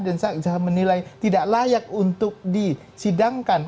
dan menilai tidak layak untuk disidangkan